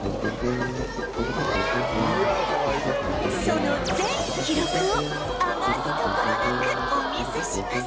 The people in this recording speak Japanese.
その全記録を余すところなくお見せします！